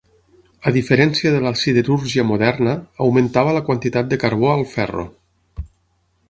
A diferència de la siderúrgia moderna, augmentava la quantitat de carbó al ferro.